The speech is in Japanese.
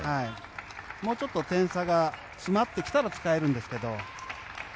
もうちょっと点差が詰まってきたら使えるんですけど。